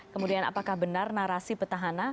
kemudian apakah benar narasi petahana